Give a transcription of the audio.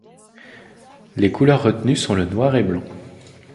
Les couleurs retenues sont le Noir et Blanc.